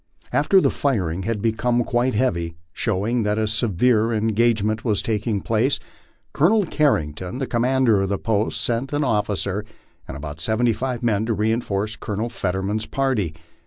After the firing had become quite heavy, showing that a severe en gagement was taking place, Colonel Carrington, the commander of the post, sent an officer and about seventy five men to reinforce Colonel Fetterman's party.